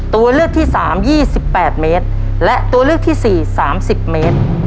ตัวเลือกที่สามยี่สิบแปดเมตรและตัวเลือกที่สี่สามสิบเมตร